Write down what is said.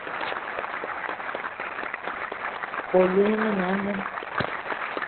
Oloun o ne ma anem.